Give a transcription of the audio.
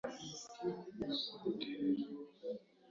Yahagaze aho na nyuma ya gari ya moshi itagaragara.